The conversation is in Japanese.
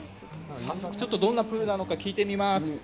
早速、どんなプールなのか聞いてみます。